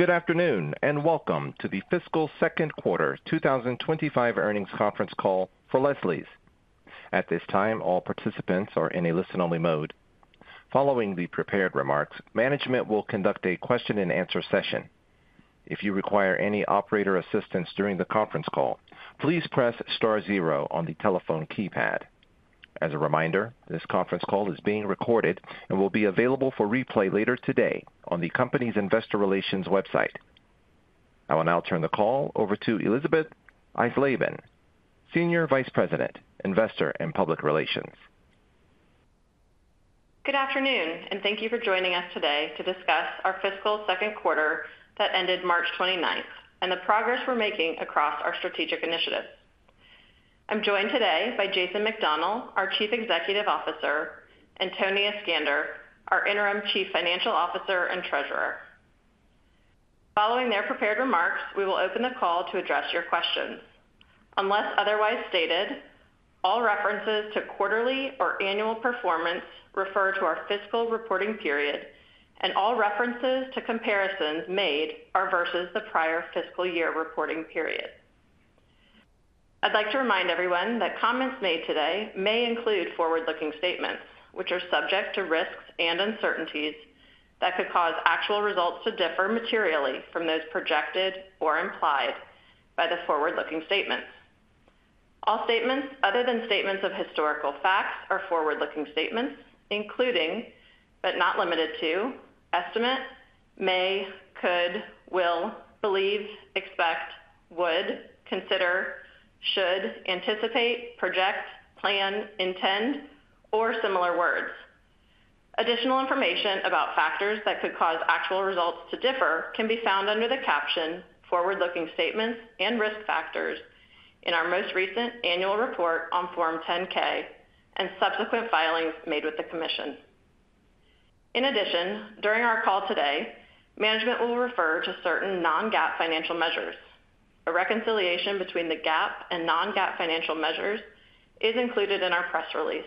Good afternoon and welcome to the Fiscal Second Quarter 2025 earnings conference call for Leslie's. At this time, all participants are in a listen-only mode. Following the prepared remarks, management will conduct a question-and-answer session. If you require any operator assistance during the conference call, please press star zero on the telephone keypad. As a reminder, this conference call is being recorded and will be available for replay later today on the company's investor relations website. I will now turn the call over to Elisabeth Eisleben, Senior Vice President, Investor and Public Relations. Good afternoon, and thank you for joining us today to discuss our fiscal second quarter that ended March 29 and the progress we're making across our strategic initiative. I'm joined today by Jason McDonell, our Chief Executive Officer, and Tony Iskander, our Interim Chief Financial Officer and Treasurer. Following their prepared remarks, we will open the call to address your questions. Unless otherwise stated, all references to quarterly or annual performance refer to our fiscal reporting period, and all references to comparisons made are versus the prior fiscal year reporting period. I'd like to remind everyone that comments made today may include forward-looking statements, which are subject to risks and uncertainties that could cause actual results to differ materially from those projected or implied by the forward-looking statements. All statements other than statements of historical facts are forward-looking statements, including but not limited to estimate, may, could, will, believe, expect, would, consider, should, anticipate, project, plan, intend, or similar words. Additional information about factors that could cause actual results to differ can be found under the caption forward-looking statements and risk factors in our most recent annual report on Form 10-K and subsequent filings made with the Commission. In addition, during our call today, management will refer to certain non-GAAP financial measures. A reconciliation between the GAAP and non-GAAP financial measures is included in our press release,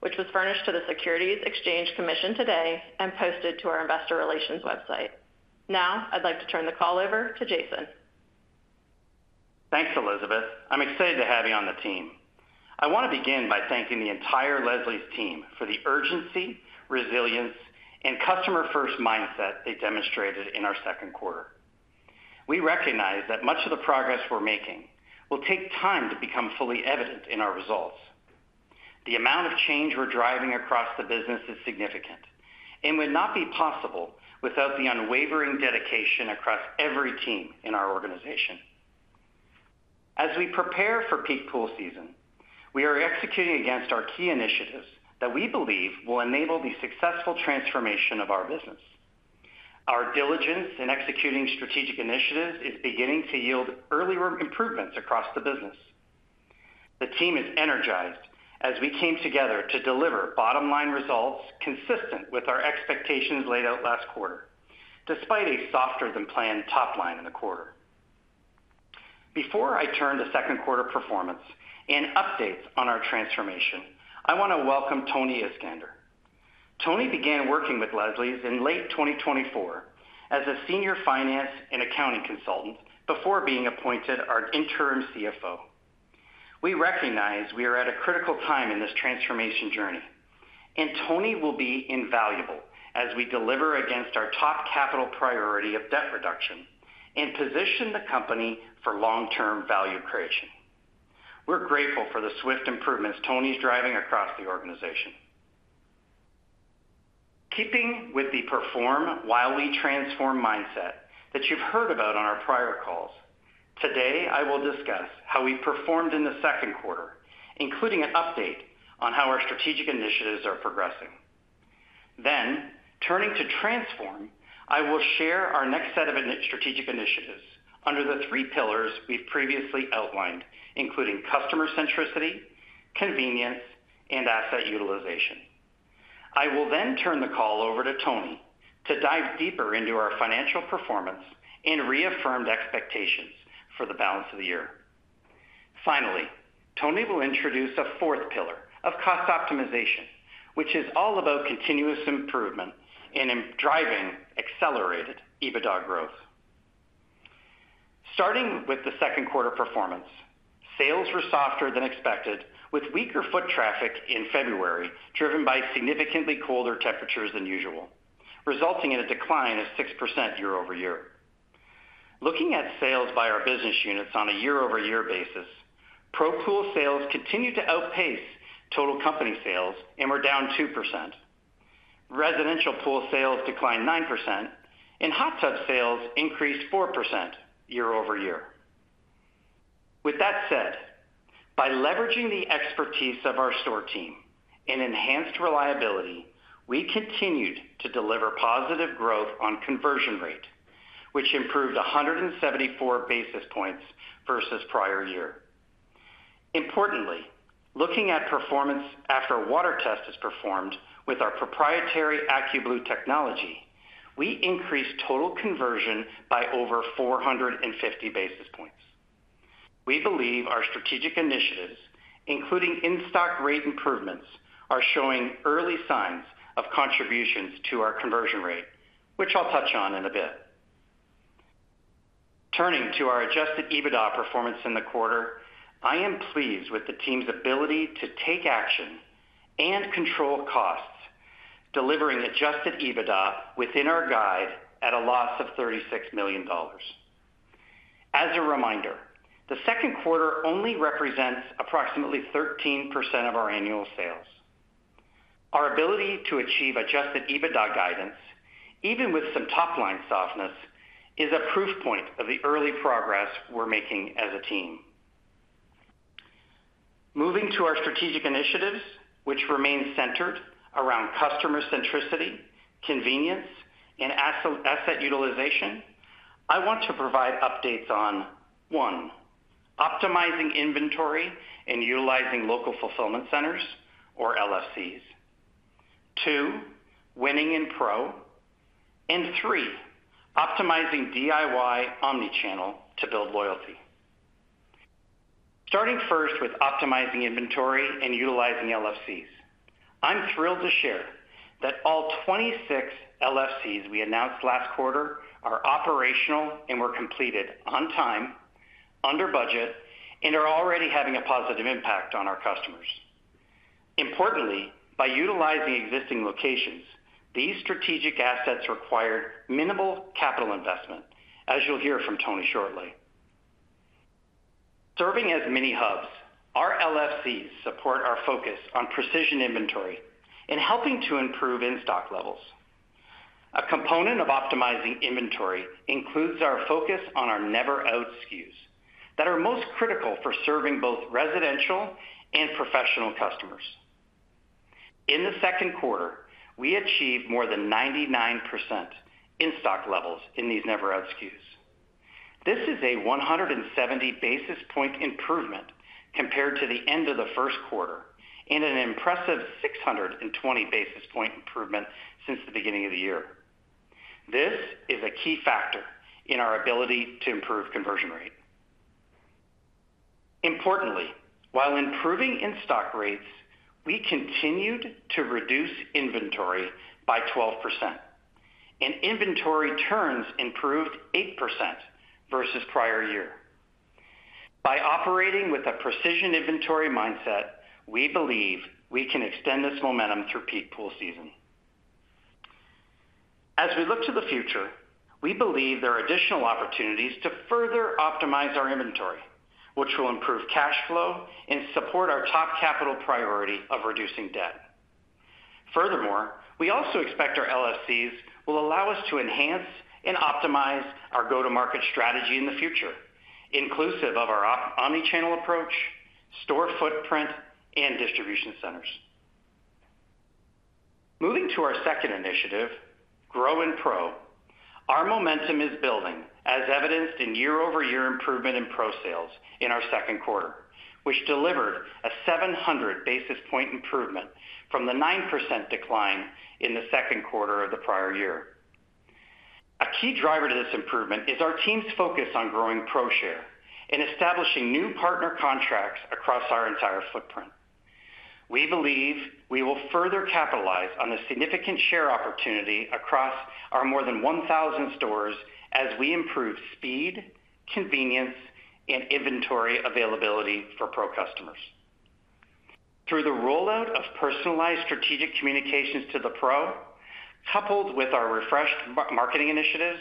which was furnished to the Securities Exchange Commission today and posted to our investor relations website. Now, I'd like to turn the call over to Jason. Thanks, Elisabeth. I'm excited to have you on the team. I want to begin by thanking the entire Leslie's team for the urgency, resilience, and customer-first mindset they demonstrated in our second quarter. We recognize that much of the progress we're making will take time to become fully evident in our results. The amount of change we're driving across the business is significant and would not be possible without the unwavering dedication across every team in our organization. As we prepare for peak pool season, we are executing against our key initiatives that we believe will enable the successful transformation of our business. Our diligence in executing strategic initiatives is beginning to yield early improvements across the business. The team is energized as we came together to deliver bottom-line results consistent with our expectations laid out last quarter, despite a softer-than-planned top line in the quarter. Before I turn to second quarter performance and updates on our transformation, I want to welcome Tony Iskander. Tony began working with Leslie's in late 2024 as a senior finance and accounting consultant before being appointed our interim CFO. We recognize we are at a critical time in this transformation journey, and Tony will be invaluable as we deliver against our top capital priority of debt reduction and position the company for long-term value creation. We're grateful for the swift improvements Tony's driving across the organization. Keeping with the perform while we transform mindset that you've heard about on our prior calls, today I will discuss how we performed in the second quarter, including an update on how our strategic initiatives are progressing. Then, turning to transform, I will share our next set of strategic initiatives under the three pillars we've previously outlined, including customer centricity, convenience, and asset utilization. I will then turn the call over to Tony to dive deeper into our financial performance and reaffirmed expectations for the balance of the year. Finally, Tony will introduce a fourth pillar of cost optimization, which is all about continuous improvement and driving accelerated EBITDA growth. Starting with the second quarter performance, sales were softer than expected, with weaker foot traffic in February driven by significantly colder temperatures than usual, resulting in a decline of 6% year over year. Looking at sales by our business units on a year-over-year basis, pro-pool sales continued to outpace total company sales and were down 2%. Residential pool sales declined 9%, and hot tub sales increased 4% year over year. With that said, by leveraging the expertise of our store team and enhanced reliability, we continued to deliver positive growth on conversion rate, which improved 174 basis points versus prior year. Importantly, looking at performance after a water test is performed with our proprietary AccuBlue technology, we increased total conversion by over 450 basis points. We believe our strategic initiatives, including in-stock rate improvements, are showing early signs of contributions to our conversion rate, which I'll touch on in a bit. Turning to our adjusted EBITDA performance in the quarter, I am pleased with the team's ability to take action and control costs, delivering adjusted EBITDA within our guide at a loss of $36 million. As a reminder, the second quarter only represents approximately 13% of our annual sales. Our ability to achieve adjusted EBITDA guidance, even with some top line softness, is a proof point of the early progress we're making as a team. Moving to our strategic initiatives, which remain centered around customer centricity, convenience, and asset utilization, I want to provide updates on: one, optimizing inventory and utilizing local fulfillment centers, or LFCs; two, winning in pro; and three, optimizing DIY omnichannel to build loyalty. Starting first with optimizing inventory and utilizing LFCs, I'm thrilled to share that all 26 LFCs we announced last quarter are operational and were completed on time, under budget, and are already having a positive impact on our customers. Importantly, by utilizing existing locations, these strategic assets required minimal capital investment, as you'll hear from Tony shortly. Serving as mini hubs, our LFCs support our focus on precision inventory and helping to improve in-stock levels. A component of optimizing inventory includes our focus on our never-out SKUs that are most critical for serving both residential and professional customers. In the second quarter, we achieved more than 99% in-stock levels in these never-out SKUs. This is a 170 basis point improvement compared to the end of the first quarter and an impressive 620 basis point improvement since the beginning of the year. This is a key factor in our ability to improve conversion rate. Importantly, while improving in-stock rates, we continued to reduce inventory by 12%, and inventory turns improved 8% versus prior year. By operating with a precision inventory mindset, we believe we can extend this momentum through peak pool season. As we look to the future, we believe there are additional opportunities to further optimize our inventory, which will improve cash flow and support our top capital priority of reducing debt. Furthermore, we also expect our LFCs will allow us to enhance and optimize our go-to-market strategy in the future, inclusive of our omnichannel approach, store footprint, and distribution centers. Moving to our second initiative, Grow in Pro, our momentum is building, as evidenced in year-over-year improvement in pro sales in our second quarter, which delivered a 700 basis point improvement from the 9% decline in the second quarter of the prior year. A key driver to this improvement is our team's focus on growing pro share and establishing new partner contracts across our entire footprint. We believe we will further capitalize on the significant share opportunity across our more than 1,000 stores as we improve speed, convenience, and inventory availability for pro customers. Through the rollout of personalized strategic communications to the Pro, coupled with our refreshed marketing initiatives,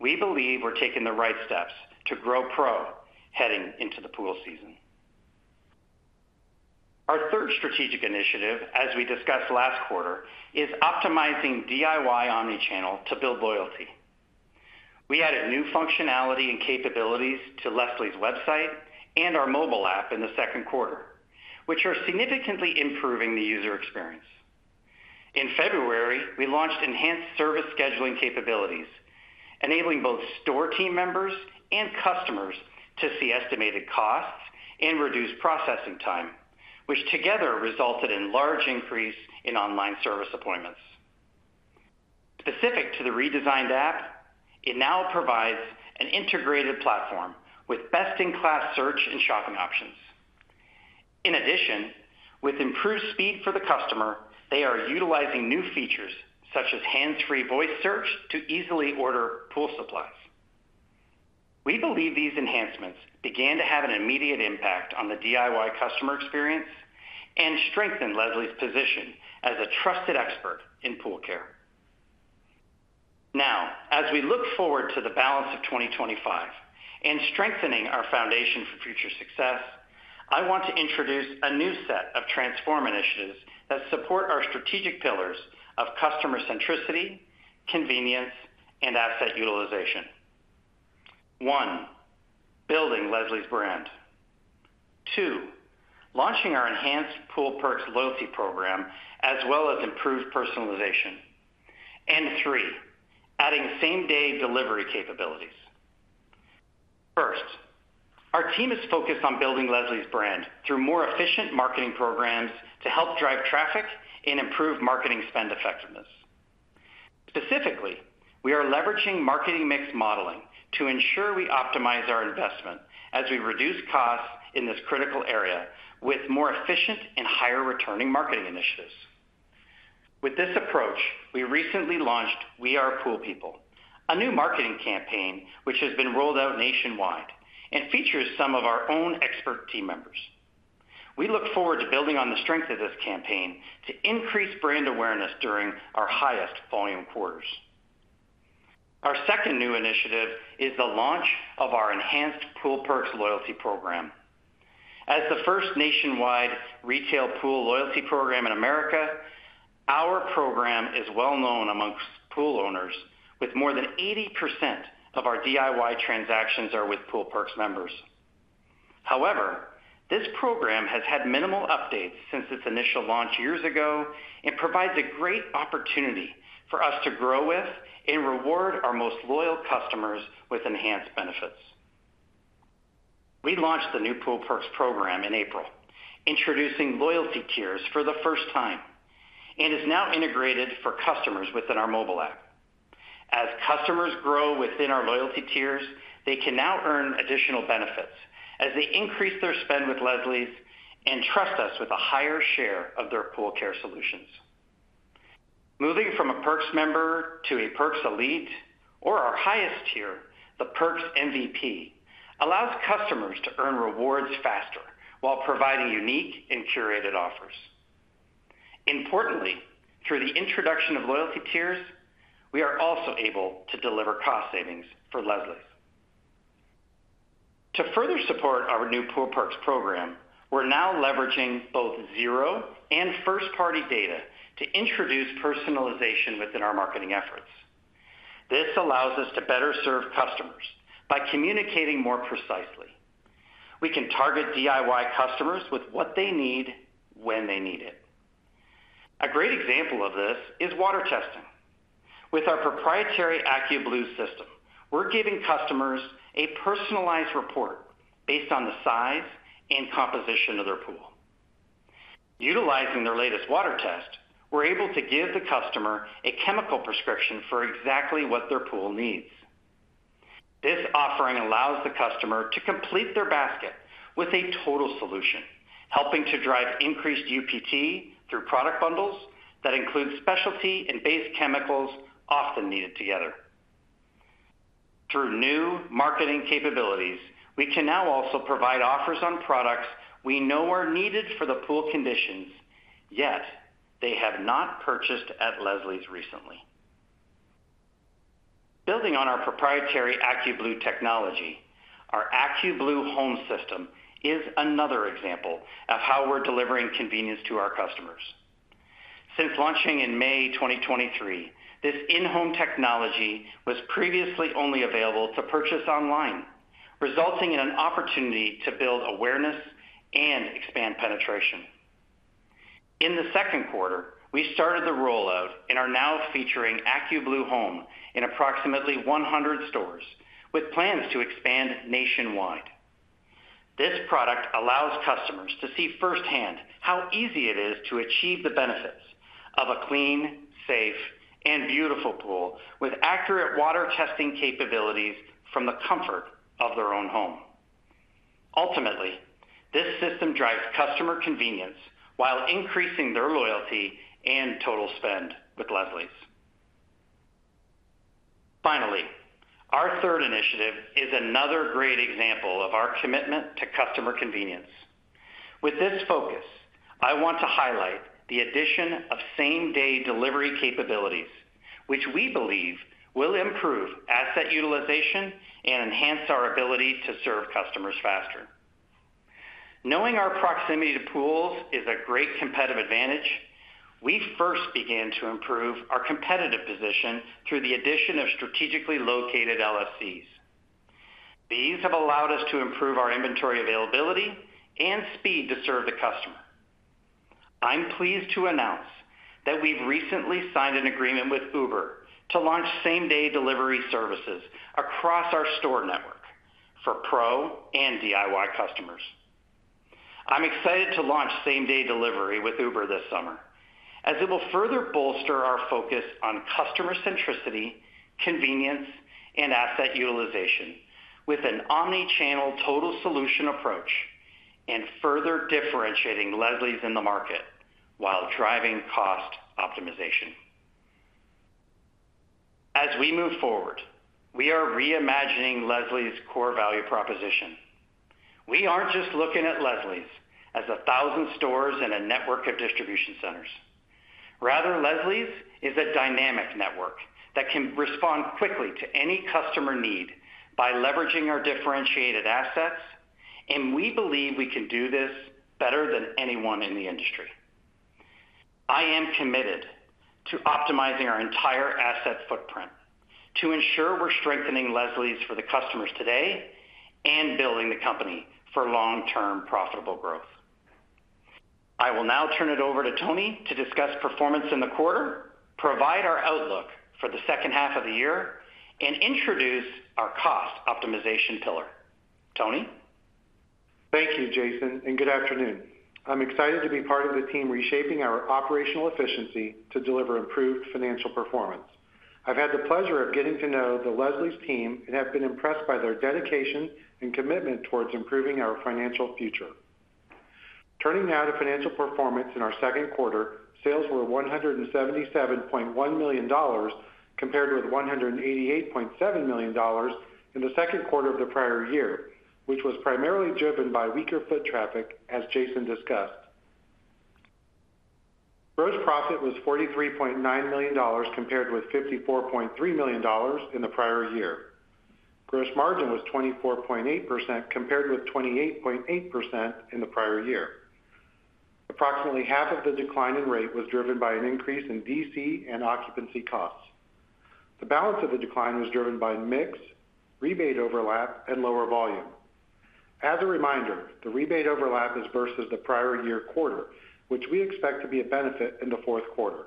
we believe we're taking the right steps to grow Pro heading into the pool season. Our third strategic initiative, as we discussed last quarter, is optimizing DIY omnichannel to build loyalty. We added new functionality and capabilities to Leslie's website and our mobile app in the second quarter, which are significantly improving the user experience. In February, we launched enhanced service scheduling capabilities, enabling both store team members and customers to see estimated costs and reduce processing time, which together resulted in a large increase in online service appointments. Specific to the redesigned app, it now provides an integrated platform with best-in-class search and shopping options. In addition, with improved speed for the customer, they are utilizing new features such as hands-free voice search to easily order pool supplies. We believe these enhancements began to have an immediate impact on the DIY customer experience and strengthened Leslie's position as a trusted expert in pool care. Now, as we look forward to the balance of 2025 and strengthening our foundation for future success, I want to introduce a new set of transform initiatives that support our strategic pillars of customer centricity, convenience, and asset utilization. One, building Leslie's brand. Two, launching our enhanced Pool Perks loyalty program as well as improved personalization. Three, adding same-day delivery capabilities. First, our team is focused on building Leslie's brand through more efficient marketing programs to help drive traffic and improve marketing spend effectiveness. Specifically, we are leveraging marketing mix modeling to ensure we optimize our investment as we reduce costs in this critical area with more efficient and higher-returning marketing initiatives. With this approach, we recently launched We Are Pool People, a new marketing campaign which has been rolled out nationwide and features some of our own expert team members. We look forward to building on the strength of this campaign to increase brand awareness during our highest volume quarters. Our second new initiative is the launch of our enhanced Pool Perks loyalty program. As the first nationwide retail pool loyalty program in America, our program is well-known amongst pool owners, with more than 80% of our DIY transactions with Pool Perks members. However, this program has had minimal updates since its initial launch years ago and provides a great opportunity for us to grow with and reward our most loyal customers with enhanced benefits. We launched the new Pool Perks program in April, introducing loyalty tiers for the first time, and it's now integrated for customers within our mobile app. As customers grow within our loyalty tiers, they can now earn additional benefits as they increase their spend with Leslie's and trust us with a higher share of their pool care solutions. Moving from a Perks member to a Perks Elite or our highest tier, the Perks MVP allows customers to earn rewards faster while providing unique and curated offers. Importantly, through the introduction of loyalty tiers, we are also able to deliver cost savings for Leslie's. To further support our new Pool Perks program, we're now leveraging both zero and first-party data to introduce personalization within our marketing efforts. This allows us to better serve customers by communicating more precisely. We can target DIY customers with what they need when they need it. A great example of this is water testing. With our proprietary AccuBlue system, we're giving customers a personalized report based on the size and composition of their pool. Utilizing their latest water test, we're able to give the customer a chemical prescription for exactly what their pool needs. This offering allows the customer to complete their basket with a total solution, helping to drive increased UPT through product bundles that include specialty and base chemicals often needed together. Through new marketing capabilities, we can now also provide offers on products we know are needed for the pool conditions, yet they have not purchased at Leslie's recently. Building on our proprietary AccuBlue technology, our AccuBlue Home System is another example of how we're delivering convenience to our customers. Since launching in May 2023, this in-home technology was previously only available to purchase online, resulting in an opportunity to build awareness and expand penetration. In the second quarter, we started the rollout and are now featuring AccuBlue Home in approximately 100 stores, with plans to expand nationwide. This product allows customers to see firsthand how easy it is to achieve the benefits of a clean, safe, and beautiful pool with accurate water testing capabilities from the comfort of their own home. Ultimately, this system drives customer convenience while increasing their loyalty and total spend with Leslie's. Finally, our third initiative is another great example of our commitment to customer convenience. With this focus, I want to highlight the addition of same-day delivery capabilities, which we believe will improve asset utilization and enhance our ability to serve customers faster. Knowing our proximity to pools is a great competitive advantage, we first began to improve our competitive position through the addition of strategically located LFCs. These have allowed us to improve our inventory availability and speed to serve the customer. I'm pleased to announce that we've recently signed an agreement with Uber to launch same-day delivery services across our store network for Pro and DIY customers. I'm excited to launch same-day delivery with Uber this summer, as it will further bolster our focus on customer centricity, convenience, and asset utilization with an omnichannel total solution approach and further differentiating Leslie's in the market while driving cost optimization. As we move forward, we are reimagining Leslie's core value proposition. We aren't just looking at Leslie's as 1,000 stores and a network of distribution centers. Rather, Leslie's is a dynamic network that can respond quickly to any customer need by leveraging our differentiated assets, and we believe we can do this better than anyone in the industry. I am committed to optimizing our entire asset footprint to ensure we're strengthening Leslie's for the customers today and building the company for long-term profitable growth. I will now turn it over to Tony to discuss performance in the quarter, provide our outlook for the second half of the year, and introduce our cost optimization pillar. Tony. Thank you, Jason, and good afternoon. I'm excited to be part of the team reshaping our operational efficiency to deliver improved financial performance. I've had the pleasure of getting to know the Leslie's team and have been impressed by their dedication and commitment towards improving our financial future. Turning now to financial performance in our second quarter, sales were $177.1 million compared with $188.7 million in the second quarter of the prior year, which was primarily driven by weaker foot traffic, as Jason discussed. Gross profit was $43.9 million compared with $54.3 million in the prior year. Gross margin was 24.8% compared with 28.8% in the prior year. Approximately half of the decline in rate was driven by an increase in VC and occupancy costs. The balance of the decline was driven by mix, rebate overlap, and lower volume. As a reminder, the rebate overlap is versus the prior year quarter, which we expect to be a benefit in the fourth quarter.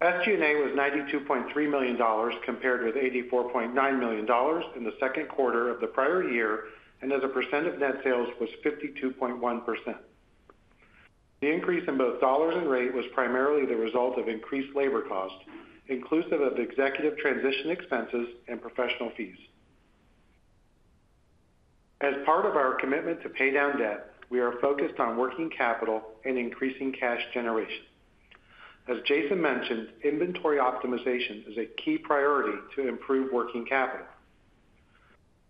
SG&A was $92.3 million compared with $84.9 million in the second quarter of the prior year, and as a percent of net sales was 52.1%. The increase in both dollars and rate was primarily the result of increased labor costs, inclusive of executive transition expenses and professional fees. As part of our commitment to pay down debt, we are focused on working capital and increasing cash generation. As Jason mentioned, inventory optimization is a key priority to improve working capital.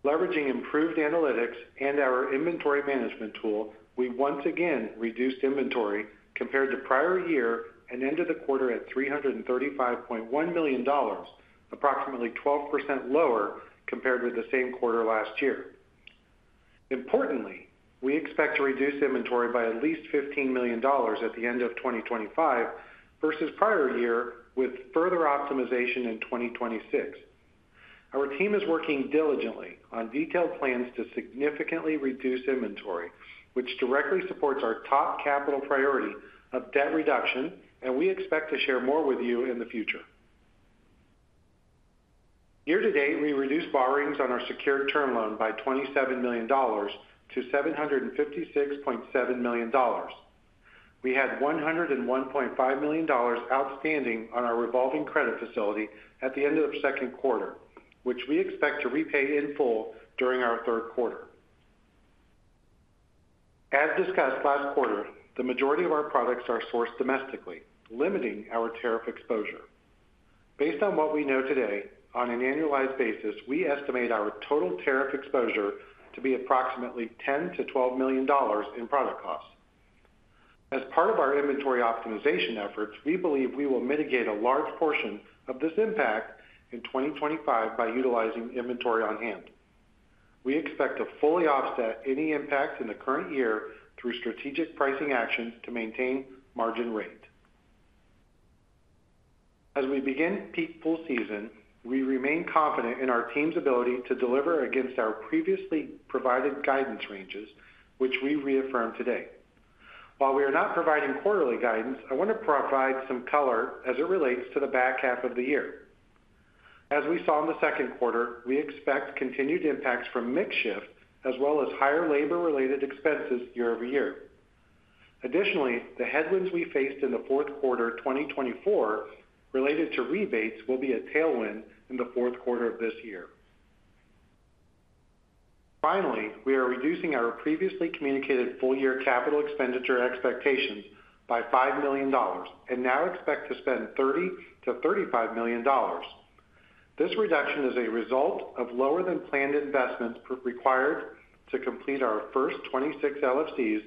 Leveraging improved analytics and our inventory management tool, we once again reduced inventory compared to prior year and ended the quarter at $335.1 million, approximately 12% lower compared with the same quarter last year. Importantly, we expect to reduce inventory by at least $15 million at the end of 2025 versus prior year with further optimization in 2026. Our team is working diligently on detailed plans to significantly reduce inventory, which directly supports our top capital priority of debt reduction, and we expect to share more with you in the future. Year to date, we reduced borrowings on our secured term loan by $27 million to $756.7 million. We had $101.5 million outstanding on our revolving credit facility at the end of the second quarter, which we expect to repay in full during our third quarter. As discussed last quarter, the majority of our products are sourced domestically, limiting our tariff exposure. Based on what we know today, on an annualized basis, we estimate our total tariff exposure to be approximately $10-$12 million in product costs. As part of our inventory optimization efforts, we believe we will mitigate a large portion of this impact in 2025 by utilizing inventory on hand. We expect to fully offset any impact in the current year through strategic pricing actions to maintain margin rate. As we begin peak pool season, we remain confident in our team's ability to deliver against our previously provided guidance ranges, which we reaffirm today. While we are not providing quarterly guidance, I want to provide some color as it relates to the back half of the year. As we saw in the second quarter, we expect continued impacts from mix shift as well as higher labor-related expenses year over year. Additionally, the headwinds we faced in the fourth quarter 2024 related to rebates will be a tailwind in the fourth quarter of this year. Finally, we are reducing our previously communicated full-year capital expenditure expectations by $5 million and now expect to spend $30-$35 million. This reduction is a result of lower-than-planned investments required to complete our first 26 LFCs,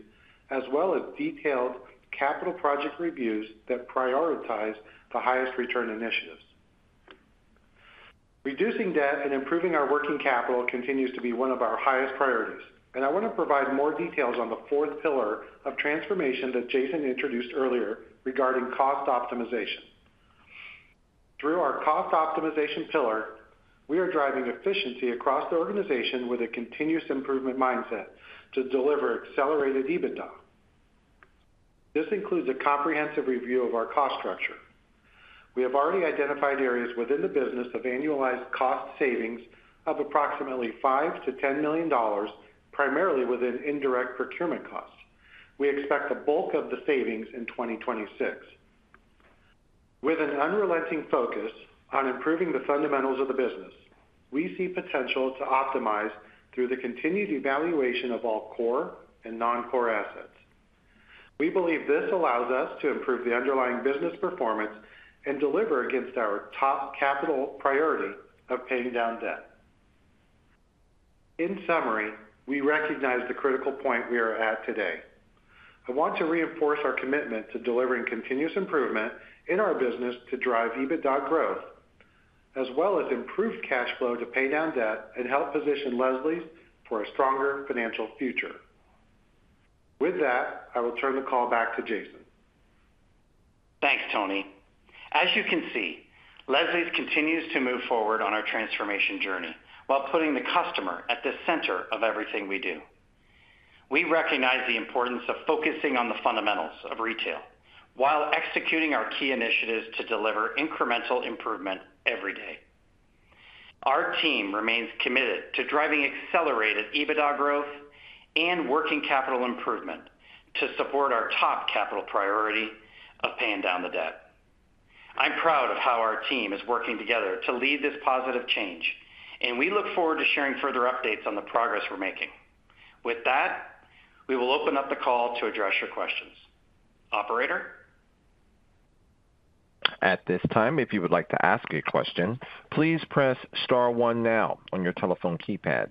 as well as detailed capital project reviews that prioritize the highest return initiatives. Reducing debt and improving our working capital continues to be one of our highest priorities, and I want to provide more details on the fourth pillar of transformation that Jason introduced earlier regarding cost optimization. Through our cost optimization pillar, we are driving efficiency across the organization with a continuous improvement mindset to deliver accelerated EBITDA. This includes a comprehensive review of our cost structure. We have already identified areas within the business of annualized cost savings of approximately $5 million to $10 million, primarily within indirect procurement costs. We expect the bulk of the savings in 2026. With an unrelenting focus on improving the fundamentals of the business, we see potential to optimize through the continued evaluation of all core and non-core assets. We believe this allows us to improve the underlying business performance and deliver against our top capital priority of paying down debt. In summary, we recognize the critical point we are at today. I want to reinforce our commitment to delivering continuous improvement in our business to drive EBITDA growth, as well as improve cash flow to pay down debt and help position Leslie's for a stronger financial future. With that, I will turn the call back to Jason. Thanks, Tony. As you can see, Leslie's continues to move forward on our transformation journey while putting the customer at the center of everything we do. We recognize the importance of focusing on the fundamentals of retail while executing our key initiatives to deliver incremental improvement every day. Our team remains committed to driving accelerated EBITDA growth and working capital improvement to support our top capital priority of paying down the debt. I'm proud of how our team is working together to lead this positive change, and we look forward to sharing further updates on the progress we're making. With that, we will open up the call to address your questions. Operator. At this time, if you would like to ask a question, please press Star 1 now on your telephone keypad.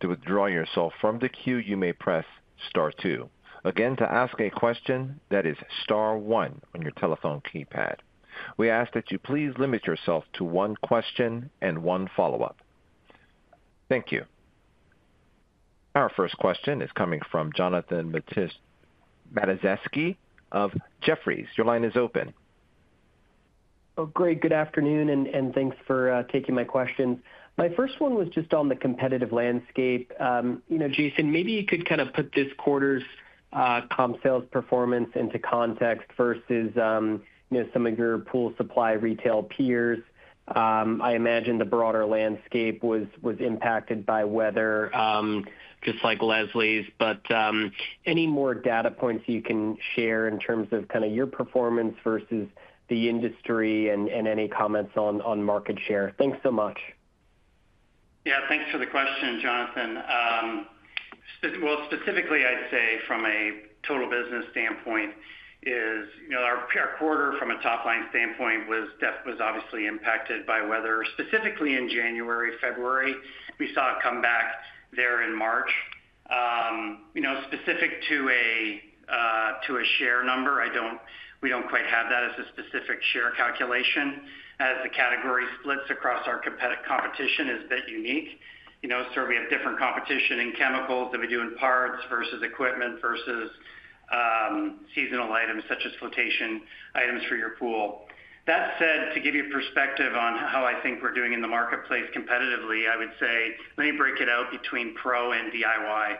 To withdraw yourself from the queue, you may press Star 2. Again, to ask a question, that is Star 1 on your telephone keypad. We ask that you please limit yourself to one question and one follow-up. Thank you. Our first question is coming from Jonathan Matejewski of Jefferies. Your line is open. Oh, great. Good afternoon, and thanks for taking my question. My first one was just on the competitive landscape. You know, Jason, maybe you could kind of put this quarter's comp sales performance into context versus some of your pool supply retail peers. I imagine the broader landscape was impacted by weather, just like Leslie's. Any more data points you can share in terms of kind of your performance versus the industry and any comments on market share? Thanks so much. Yeah, thanks for the question, Jonathan. Specifically, I'd say from a total business standpoint, our quarter from a top-line standpoint was obviously impacted by weather. Specifically in January, February, we saw a comeback there in March. Specific to a share number, we don't quite have that as a specific share calculation. As the category splits across our competition, it's a bit unique. We have different competition in chemicals than we do in parts versus equipment versus seasonal items such as flotation items for your pool. That said, to give you a perspective on how I think we're doing in the marketplace competitively, I would say let me break it out between pro and DIY.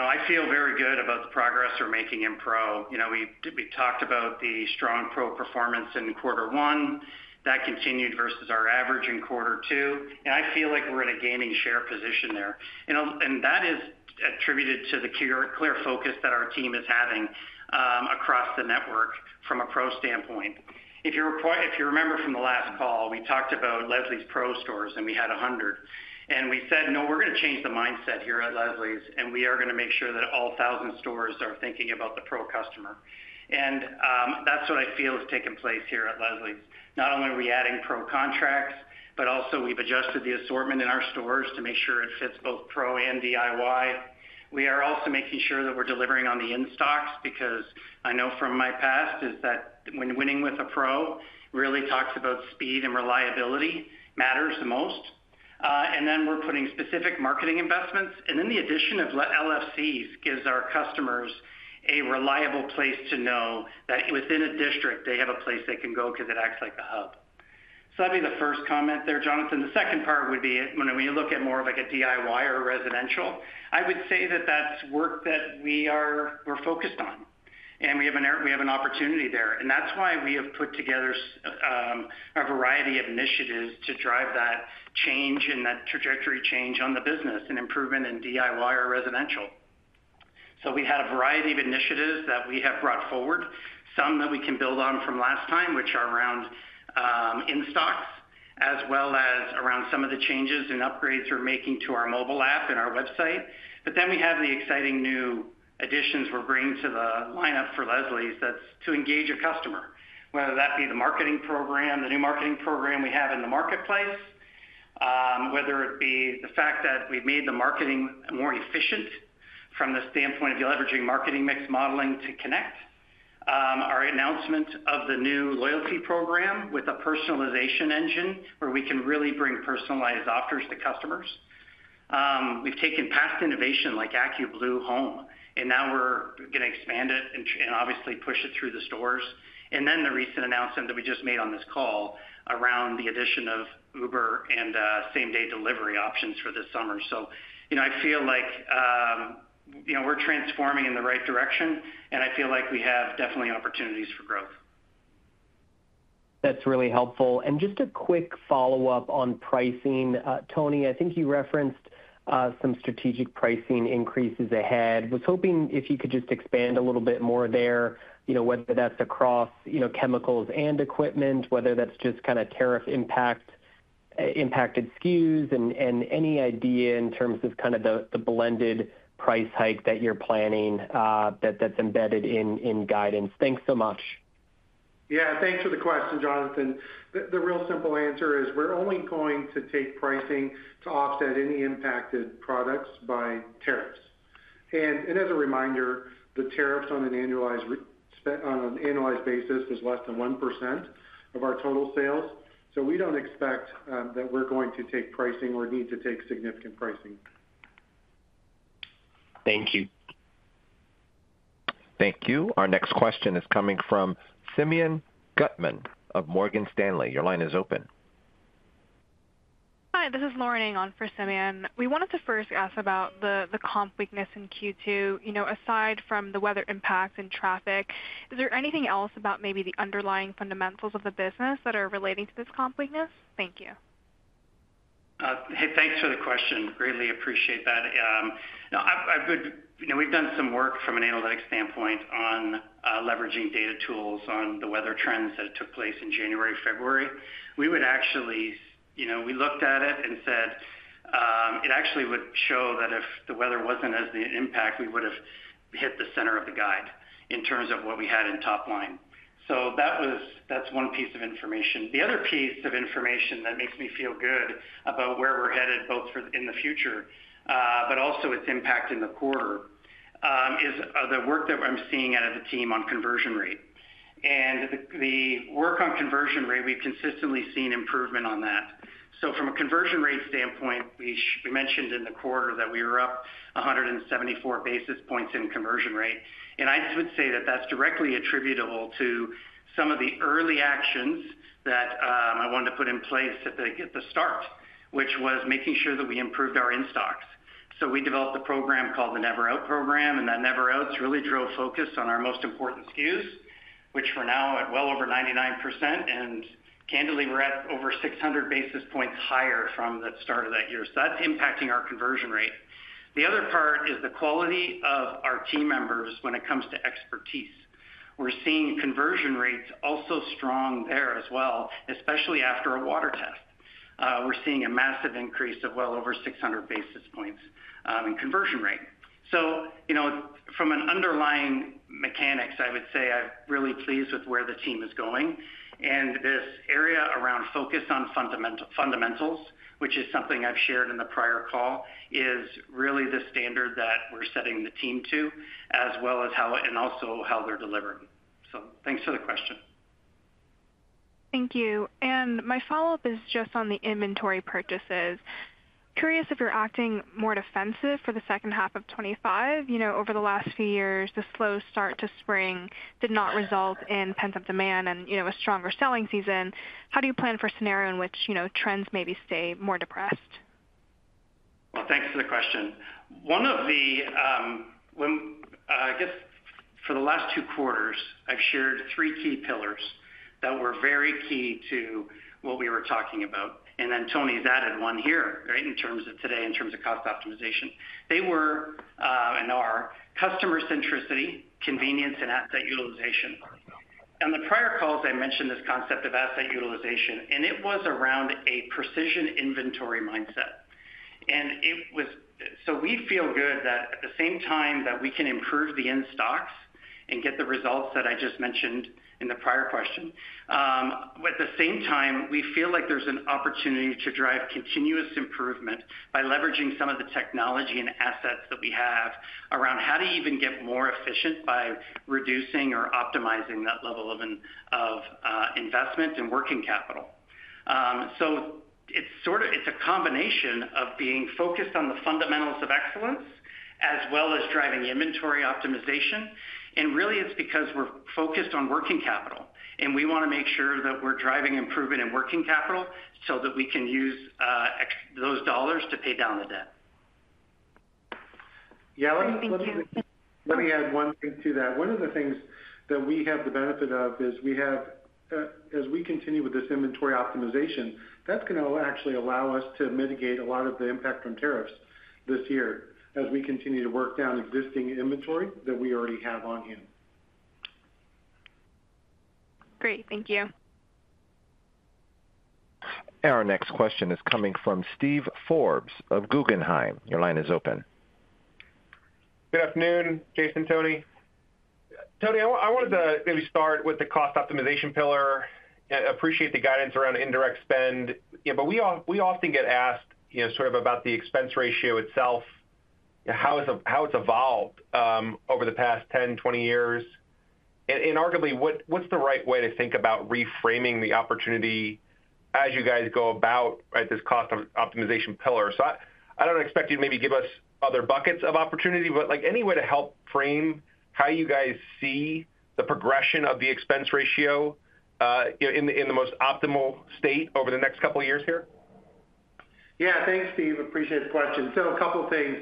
I feel very good about the progress we're making in pro. We talked about the strong pro performance in quarter one. That continued versus our average in quarter two. I feel like we're in a gaining share position there. That is attributed to the clear focus that our team is having across the network from a pro standpoint. If you remember from the last call, we talked about Leslie's Pro Stores, and we had 100. We said, "No, we're going to change the mindset here at Leslie's, and we are going to make sure that all 1,000 stores are thinking about the pro customer." That's what I feel has taken place here at Leslie's. Not only are we adding pro contracts, but also we've adjusted the assortment in our stores to make sure it fits both pro and DIY. We are also making sure that we're delivering on the in-stocks because I know from my past is that when winning with a Pro really talks about speed and reliability matters the most. We are putting specific marketing investments. The addition of LFCs gives our customers a reliable place to know that within a district, they have a place they can go to that acts like the hub. That would be the first comment there, Jonathan. The second part would be when we look at more of like a DIY or a residential, I would say that that's work that we're focused on. We have an opportunity there. That is why we have put together a variety of initiatives to drive that change and that trajectory change on the business and improvement in DIY or residential. We had a variety of initiatives that we have brought forward, some that we can build on from last time, which are around in-stocks, as well as around some of the changes and upgrades we're making to our mobile app and our website. We have the exciting new additions we're bringing to the lineup for Leslie's that's to engage a customer, whether that be the marketing program, the new marketing program we have in the marketplace, whether it be the fact that we've made the marketing more efficient from the standpoint of leveraging marketing mix modeling to connect, our announcement of the new loyalty program with a personalization engine where we can really bring personalized offers to customers. We've taken past innovation like AccuBlue Home, and now we're going to expand it and obviously push it through the stores. The recent announcement that we just made on this call around the addition of Uber and same-day delivery options for this summer, I feel like we're transforming in the right direction, and I feel like we have definitely opportunities for growth. That's really helpful. Just a quick follow-up on pricing. Tony, I think you referenced some strategic pricing increases ahead. I was hoping if you could just expand a little bit more there, whether that's across chemicals and equipment, whether that's just kind of tariff impacted SKUs, and any idea in terms of kind of the blended price hike that you're planning that's embedded in guidance. Thanks so much. Yeah, thanks for the question, Jonathan. The real simple answer is we're only going to take pricing to offset any impacted products by tariffs. As a reminder, the tariffs on an annualized basis was less than 1% of our total sales. We do not expect that we are going to take pricing or need to take significant pricing. Thank you. Thank you. Our next question is coming from Simeon Gutman of Morgan Stanley. Your line is open. Hi, this is Lauren Engel for Simeon. We wanted to first ask about the comp weakness in Q2. Aside from the weather impact and traffic, is there anything else about maybe the underlying fundamentals of the business that are relating to this comp weakness? Thank you. Hey, thanks for the question. Greatly appreciate that. We have done some work from an analytic standpoint on leveraging data tools on the weather trends that took place in January and February. We actually looked at it and said it actually would show that if the weather was not as the impact, we would have hit the center of the guide in terms of what we had in top line. That is one piece of information. The other piece of information that makes me feel good about where we are headed both in the future, but also its impact in the quarter, is the work that I am seeing out of the team on conversion rate. The work on conversion rate, we have consistently seen improvement on that. From a conversion rate standpoint, we mentioned in the quarter that we were up 174 basis points in conversion rate. I would say that is directly attributable to some of the early actions that I wanted to put in place at the start, which was making sure that we improved our in-stocks. We developed a program called the Never Out program, and that Never Out really drove focus on our most important SKUs, which we're now at well over 99%. Candidly, we're at over 600 basis points higher from the start of that year. That's impacting our conversion rate. The other part is the quality of our team members when it comes to expertise. We're seeing conversion rates also strong there as well, especially after a water test. We're seeing a massive increase of well over 600 basis points in conversion rate. From an underlying mechanics, I would say I'm really pleased with where the team is going. This area around focus on fundamentals, which is something I've shared in the prior call, is really the standard that we're setting the team to, as well as how and also how they're delivering. Thanks for the question. Thank you. My follow-up is just on the inventory purchases. Curious if you're acting more defensive for the second half of 25. Over the last few years, the slow start to spring did not result in pent-up demand and a stronger selling season. How do you plan for a scenario in which trends maybe stay more depressed? Thank you for the question. For the last two quarters, I've shared three key pillars that were very key to what we were talking about. Tony's added one here, in terms of today, in terms of cost optimization. They were and are customer centricity, convenience, and asset utilization. On the prior calls, I mentioned this concept of asset utilization, and it was around a precision inventory mindset. We feel good that at the same time that we can improve the in-stocks and get the results that I just mentioned in the prior question. At the same time, we feel like there's an opportunity to drive continuous improvement by leveraging some of the technology and assets that we have around how to even get more efficient by reducing or optimizing that level of investment in working capital. It is a combination of being focused on the fundamentals of excellence as well as driving inventory optimization. Really, it is because we're focused on working capital. We want to make sure that we're driving improvement in working capital so that we can use those dollars to pay down the debt. Yeah, let me add one thing to that. One of the things that we have the benefit of is we have, as we continue with this inventory optimization, that's going to actually allow us to mitigate a lot of the impact on tariffs this year as we continue to work down existing inventory that we already have on hand. Great. Thank you. Our next question is coming from Steve Forbes of Guggenheim. Your line is open. Good afternoon, Jason and Tony. Tony, I wanted to maybe start with the cost optimization pillar. I appreciate the guidance around indirect spend. We often get asked sort of about the expense ratio itself, how it's evolved over the past 10, 20 years. Arguably, what's the right way to think about reframing the opportunity as you guys go about this cost optimization pillar? I do not expect you to maybe give us other buckets of opportunity, but any way to help frame how you guys see the progression of the expense ratio in the most optimal state over the next couple of years here? Yeah, thanks, Steve. Appreciate the question. A couple of things.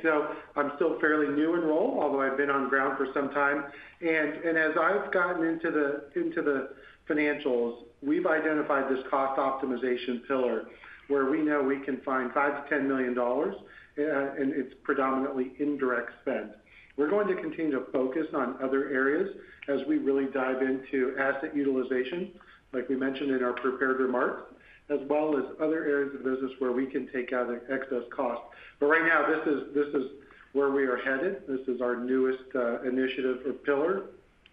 I'm still fairly new in role, although I've been on the ground for some time. As I've gotten into the financials, we've identified this cost optimization pillar where we know we can find $5 million-$10 million, and it's predominantly indirect spend. We're going to continue to focus on other areas as we really dive into asset utilization, like we mentioned in our prepared remarks, as well as other areas of the business where we can take out excess costs. Right now, this is where we are headed. This is our newest initiative or pillar,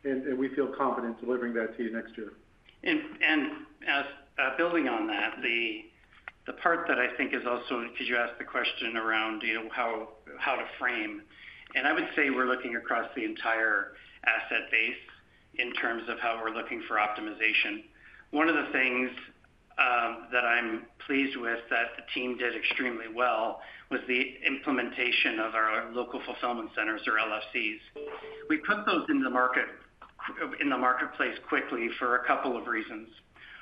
and we feel confident delivering that to you next year. Building on that, the part that I think is also, did you ask the question around how to frame? I would say we're looking across the entire asset base in terms of how we're looking for optimization. One of the things that I'm pleased with that the team did extremely well was the implementation of our local fulfillment centers, or LFCs. We put those in the marketplace quickly for a couple of reasons.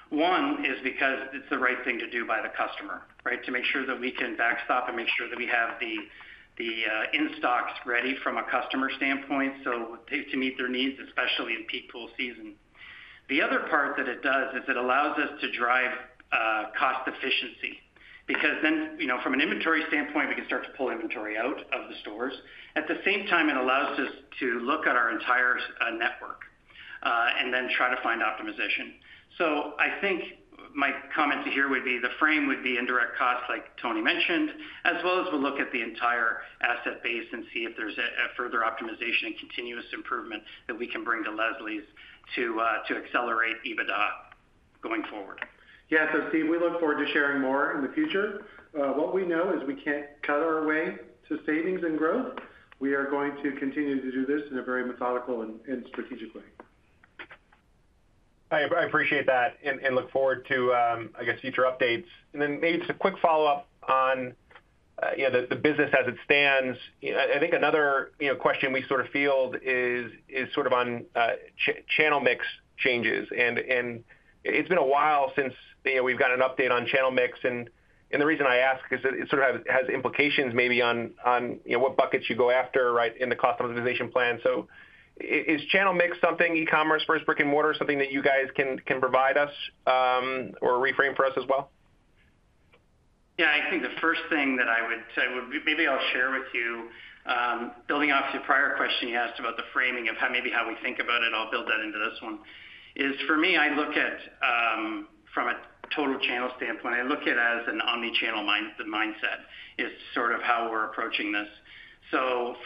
One is because it's the right thing to do by the customer, right, to make sure that we can backstop and make sure that we have the in-stocks ready from a customer standpoint to meet their needs, especially in peak pool season. The other part that it does is it allows us to drive cost efficiency because then from an inventory standpoint, we can start to pull inventory out of the stores. At the same time, it allows us to look at our entire network and then try to find optimization. I think my comment to here would be the frame would be indirect costs, like Tony mentioned, as well as we'll look at the entire asset base and see if there's a further optimization and continuous improvement that we can bring to Leslie's to accelerate EBITDA going forward. Yeah, Steve, we look forward to sharing more in the future. What we know is we can't cut our way to savings and growth. We are going to continue to do this in a very methodical and strategic way. I appreciate that and look forward to, I guess, future updates. Maybe it's a quick follow-up on the business as it stands. I think another question we sort of field is sort of on channel mix changes. It's been a while since we've got an update on channel mix. The reason I ask is it sort of has implications maybe on what buckets you go after, right, in the cost optimization plan. Is channel mix something e-commerce, first brick and mortar, something that you guys can provide us or reframe for us as well? I think the first thing that I would say would be maybe I'll share with you, building off your prior question you asked about the framing of maybe how we think about it, I'll build that into this one. For me, I look at from a total channel standpoint, I look at it as an omnichannel mindset is sort of how we're approaching this.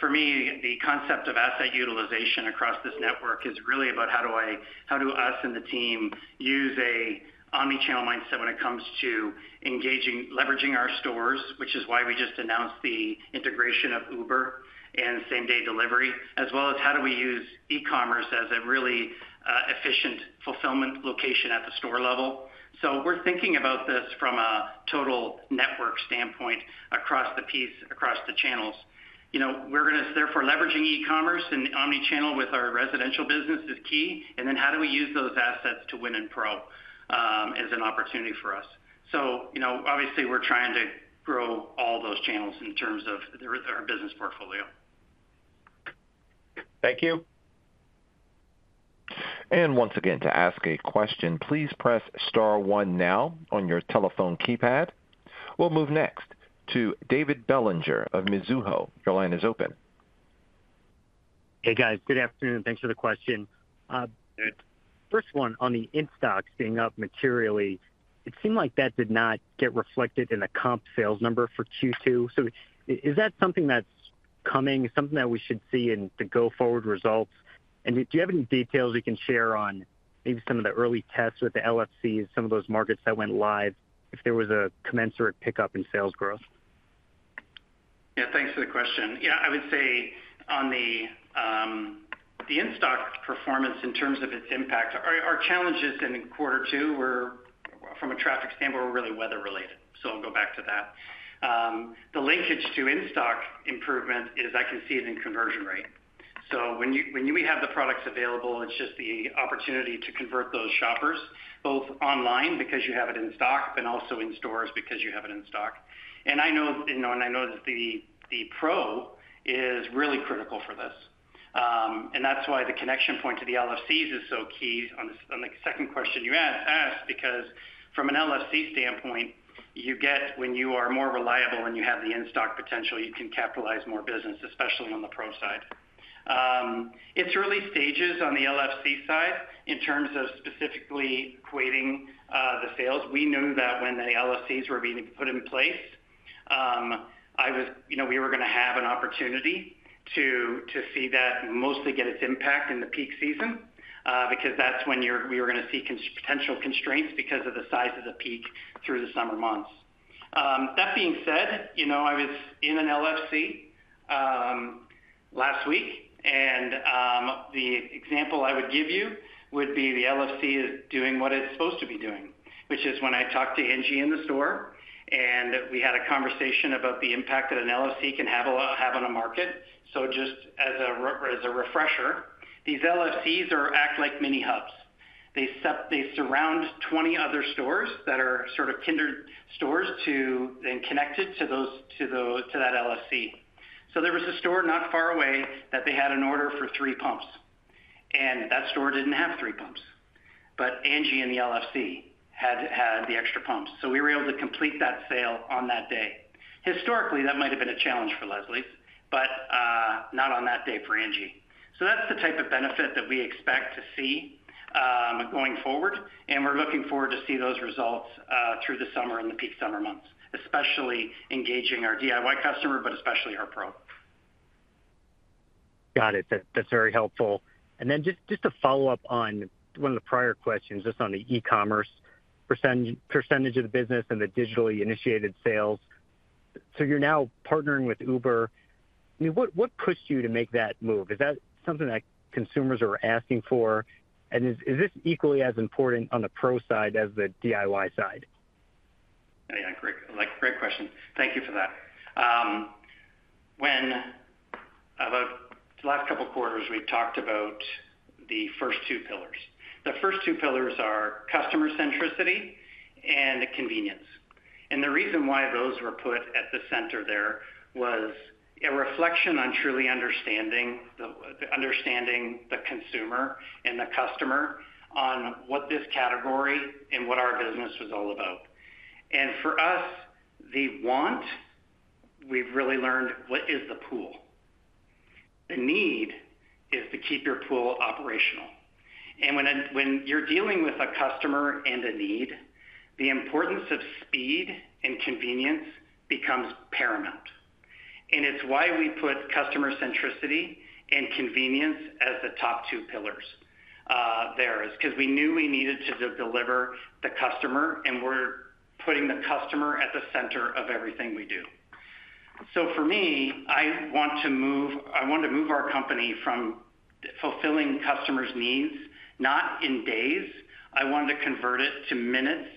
For me, the concept of asset utilization across this network is really about how do us and the team use an omnichannel mindset when it comes to leveraging our stores, which is why we just announced the integration of Uber and same-day delivery, as well as how do we use e-commerce as a really efficient fulfillment location at the store level. We are thinking about this from a total network standpoint across the piece, across the channels. We are going to therefore leveraging e-commerce and omnichannel with our residential business is key. Then how do we use those assets to win and probe as an opportunity for us? Obviously, we are trying to grow all those channels in terms of our business portfolio. Thank you. Once again, to ask a question, please press star one now on your telephone keypad. We'll move next to David Bellinger of Mizuho. Your line is open. Hey, guys. Good afternoon. Thanks for the question. First one, on the in-stocks being up materially, it seemed like that did not get reflected in the comp sales number for Q2. Is that something that's coming? Is that something that we should see in the go forward results? Do you have any details we can share on maybe some of the early tests with the LFCs, some of those markets that went live, if there was a commensurate pickup in sales growth? Yeah, thanks for the question. I would say on the in-stock performance in terms of its impact, our challenges in quarter two were from a traffic standpoint, were really weather related. I'll go back to that. The linkage to in-stock improvement is I can see it in conversion rate. When we have the products available, it's just the opportunity to convert those shoppers both online because you have it in stock and also in stores because you have it in stock. I know that the pro is really critical for this. That's why the connection point to the LFCs is so key on the second question you asked because from an LFC standpoint, when you are more reliable and you have the in-stock potential, you can capitalize more business, especially on the pro side. It's early stages on the LFC side in terms of specifically equating the sales. We knew that when the LFCs were being put in place, we were going to have an opportunity to see that mostly get its impact in the peak season because that's when we were going to see potential constraints because of the size of the peak through the summer months. That being said, I was in an LFC last week, and the example I would give you would be the LFC is doing what it's supposed to be doing, which is when I talked to Angie in the store, and we had a conversation about the impact that an LFC can have on a market. Just as a refresher, these LFCs act like mini hubs. They surround 20 other stores that are sort of kinder stores and connected to that LFC. There was a store not far away that they had an order for three pumps. That store did not have three pumps, but Angie and the LFC had the extra pumps. We were able to complete that sale on that day. Historically, that might have been a challenge for Leslie's, but not on that day for Angie. That is the type of benefit that we expect to see going forward. We are looking forward to see those results through the summer and the peak summer months, especially engaging our DIY customer, but especially our product. Got it. That is very helpful. Just to follow up on one of the prior questions, just on the e-commerce percentage of the business and the digitally initiated sales. You are now partnering with Uber. What pushed you to make that move? Is that something that consumers are asking for? Is this equally as important on the pro side as the DIY side? Yeah, great question. Thank you for that. About the last couple of quarters, we've talked about the first two pillars. The first two pillars are customer centricity and convenience. The reason why those were put at the center there was a reflection on truly understanding the consumer and the customer on what this category and what our business was all about. For us, the want, we've really learned what is the pool. The need is to keep your pool operational. When you're dealing with a customer and a need, the importance of speed and convenience becomes paramount. It's why we put customer centricity and convenience as the top two pillars there is because we knew we needed to deliver the customer, and we're putting the customer at the center of everything we do. For me, I want to move our company from fulfilling customers' needs, not in days. I want to convert it to minutes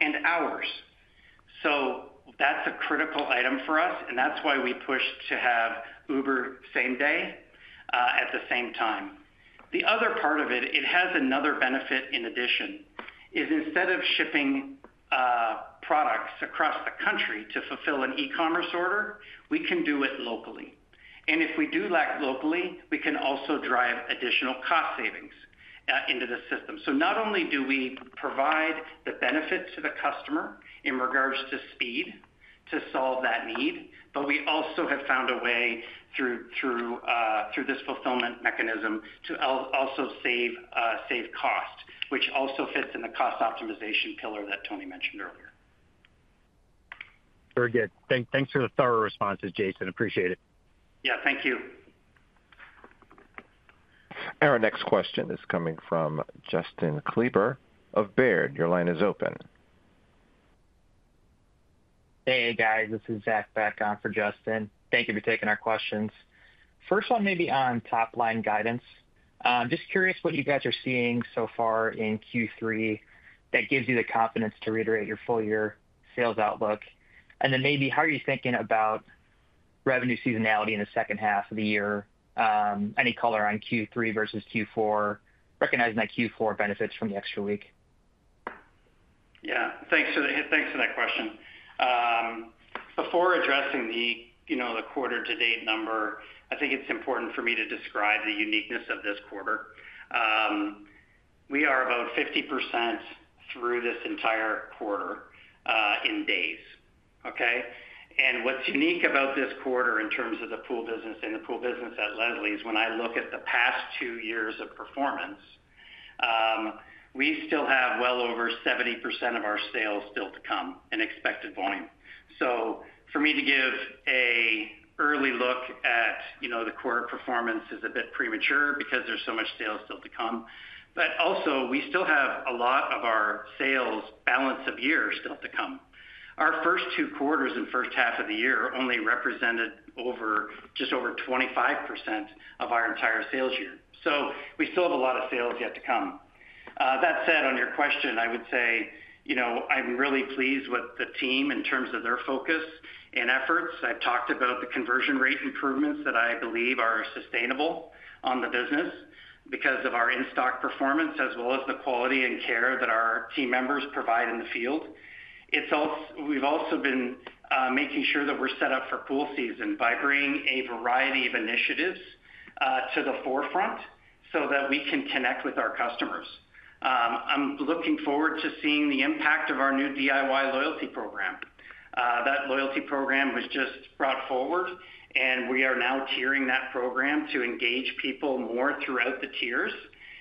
and hours. That is a critical item for us, and that is why we push to have Uber same day at the same time. The other part of it, it has another benefit in addition, is instead of shipping products across the country to fulfill an e-commerce order, we can do it locally. If we do that locally, we can also drive additional cost savings into the system. Not only do we provide the benefit to the customer in regards to speed to solve that need, but we also have found a way through this fulfillment mechanism to also save cost, which also fits in the cost optimization pillar that Tony mentioned earlier. Very good. Thanks for the thorough responses, Jason. Appreciate it. Thank you. Our next question is coming from Justin Kleber of Baird. Your line is open. Hey, guys. This is Zach Beck on for Justin. Thank you for taking our questions. First one, maybe on top-line guidance. Just curious what you guys are seeing so far in Q3 that gives you the confidence to reiterate your full-year sales outlook. Also, how are you thinking about revenue seasonality in the second half of the year? Any color on Q3 versus Q4, recognizing that Q4 benefits from the extra week? Yeah, thanks for that question. Before addressing the quarter-to-date number, I think it's important for me to describe the uniqueness of this quarter. We are about 50% through this entire quarter in days, okay? What's unique about this quarter in terms of the pool business and the pool business at Leslie's, when I look at the past two years of performance, we still have well over 70% of our sales still to come and expected volume. For me to give an early look at the quarter performance is a bit premature because there's so much sales still to come. Also, we still have a lot of our sales balance of year still to come. Our first two quarters and first half of the year only represented just over 25% of our entire sales year. We still have a lot of sales yet to come. That said, on your question, I would say I'm really pleased with the team in terms of their focus and efforts. I've talked about the conversion rate improvements that I believe are sustainable on the business because of our in-stock performance as well as the quality and care that our team members provide in the field. We've also been making sure that we're set up for pool season by bringing a variety of initiatives to the forefront so that we can connect with our customers. I'm looking forward to seeing the impact of our new DIY loyalty program. That loyalty program was just brought forward, and we are now tiering that program to engage people more throughout the tiers.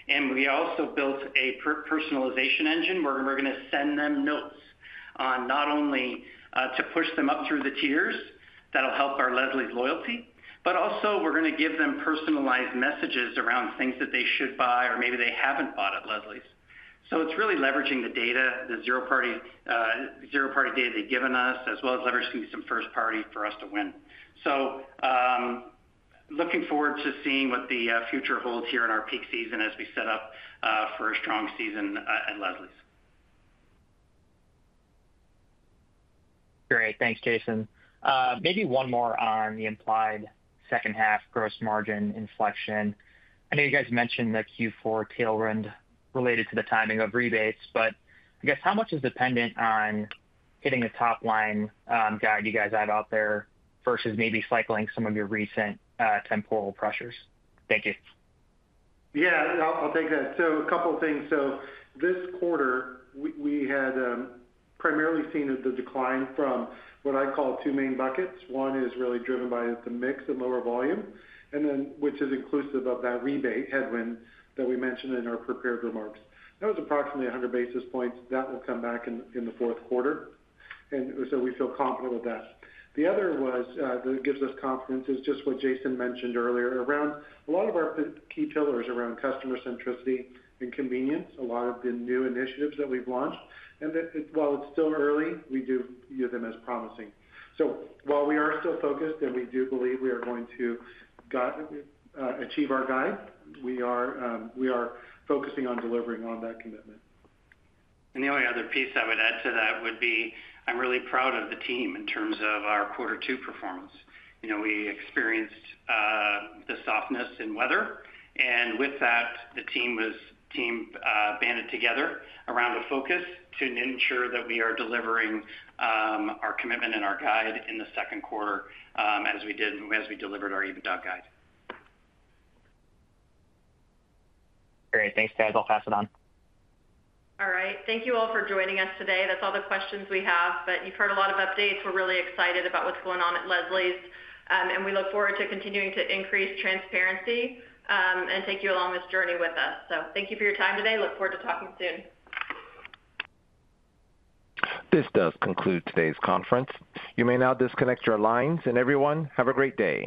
We also built a personalization engine where we're going to send them notes on not only to push them up through the tiers that'll help our Leslie's loyalty, but also we're going to give them personalized messages around things that they should buy or maybe they haven't bought at Leslie's. It's really leveraging the data, the zero-party data they've given us, as well as leveraging some first-party for us to win. Looking forward to seeing what the future holds here in our peak season as we set up for a strong season at Leslie's. Great. Thanks, Jason. Maybe one more on the implied second-half gross margin inflection. I know you guys mentioned that Q4 tailwind related to the timing of rebates, but I guess how much is dependent on hitting a top-line guide you guys have out there versus maybe cycling some of your recent temporal pressures? Thank you. Yeah, I'll take that. A couple of things. This quarter, we had primarily seen the decline from what I call two main buckets. One is really driven by the mix and lower volume, which is inclusive of that rebate headwind that we mentioned in our prepared remarks. That was approximately 100 basis points. That will come back in the fourth quarter. We feel confident with that. The other that gives us confidence is just what Jason mentioned earlier around a lot of our key pillars around customer centricity and convenience, a lot of the new initiatives that we've launched. While it's still early, we do view them as promising. We are still focused and we do believe we are going to achieve our guide, we are focusing on delivering on that commitment. The only other piece I would add to that would be I'm really proud of the team in terms of our quarter two performance. We experienced the softness in weather. With that, the team banded together around the focus to ensure that we are delivering our commitment and our guide in the second quarter as we delivered our EBITDA guide. Great. Thanks, guys. I'll pass it on. All right. Thank you all for joining us today. That's all the questions we have. You have heard a lot of updates. We're really excited about what's going on at Leslie's. We look forward to continuing to increase transparency and take you along this journey with us. Thank you for your time today. Look forward to talking soon. This does conclude today's conference. You may now disconnect your lines. Everyone, have a great day.